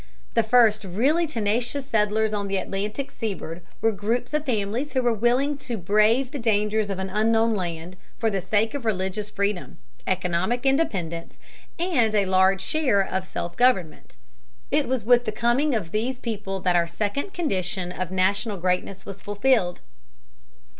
The first really tenacious settlers on the Atlantic seaboard were groups of families who were willing to brave the dangers of an unknown land for the sake of religious freedom, economic independence, and a large share of self government. It was with the coming of these people that our second condition of national greatness was fulfilled.